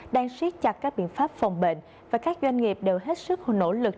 đang siết chặt các biện pháp phòng bệnh và các doanh nghiệp đều hết sức nỗ lực